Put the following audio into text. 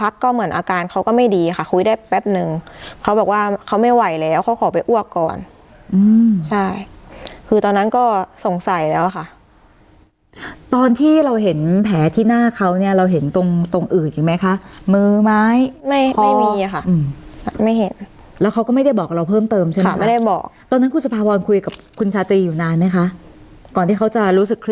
เหมือนอาการเขาก็ไม่ดีค่ะคุยได้แป๊บนึงเขาบอกว่าเขาไม่ไหวแล้วเขาขอไปอ้วกก่อนอืมใช่คือตอนนั้นก็สงสัยแล้วค่ะตอนที่เราเห็นแผลที่หน้าเขาเนี่ยเราเห็นตรงตรงอื่นอีกไหมคะมือไม้ไม่ไม่มีค่ะไม่เห็นแล้วเขาก็ไม่ได้บอกกับเราเพิ่มเติมใช่ไหมไม่ได้บอกตอนนั้นคุณสุภาพรคุยกับคุณชาตรีอยู่นานไหมคะก่อนที่เขาจะรู้สึกค